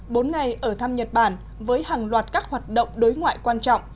bốn ngày ở thăm nhật bản với hàng loạt các hoạt động đối ngoại quan trọng